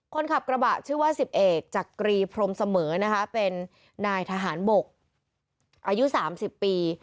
คนขับกระบะชื่อว่าสิบเอกจักรีพรมเสมอนะคะเป็นนายทหารบกอายุ๓๐ปี